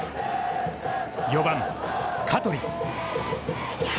４番香取。